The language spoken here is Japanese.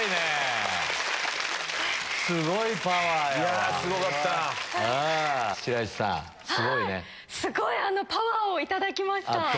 すごいパワーを頂きました。